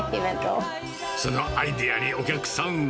そのアイデアにお客さんは。